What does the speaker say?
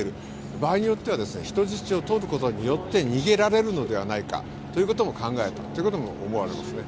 場合によっては人質を取ることによって逃げられるのではないかということも考えたということも思われます。